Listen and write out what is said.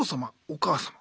お母様？